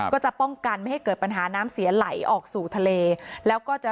ก็จะป้องกันไม่ให้เกิดปัญหาน้ำเสียไหลออกสู่ทะเลแล้วก็จะ